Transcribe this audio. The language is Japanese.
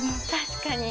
確かに。